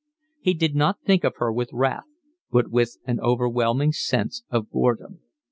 He did not think of her with wrath, but with an overwhelming sense of boredom.